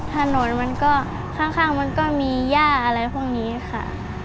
ถนนมันก็ข้างมันก็มีย่าอะไรพวกนี้ค่ะ